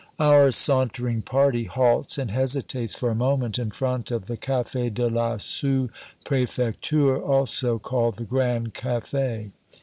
Our sauntering party halts and hesitates for a moment in front of the Cafe de la Sous Prefecture, also called the Grand Cafe.